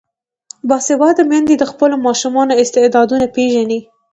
باسواده میندې د خپلو ماشومانو استعدادونه پیژني.